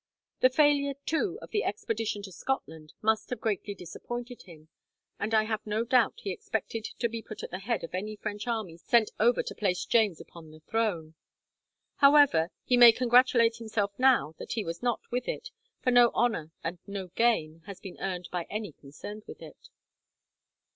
The failure, too, of the expedition to Scotland must have greatly disappointed him, and I have no doubt he expected to be put at the head of any French army sent over to place James upon the throne. However, he may congratulate himself now that he was not with it, for no honour and no gain has been earned by any concerned in it."